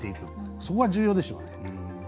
そこが重要でしょうね。